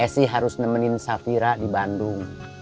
s i harus nemenin safira di bandung